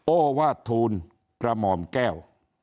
โอวาทูลกระหม่อมแก้ว